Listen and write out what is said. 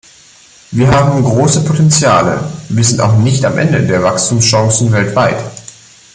Wir haben große Potenziale, wir sind auch nicht am Ende der Wachstumschancen weltweit.